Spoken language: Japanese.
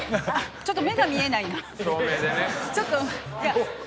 ちょっと目が見えないな。